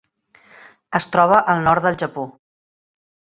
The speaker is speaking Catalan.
Es troba al nord del Japó.